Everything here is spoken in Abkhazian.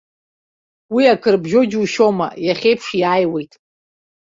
Уи акрыбжьоу џьушьома, иахьеиԥш иааиуеит.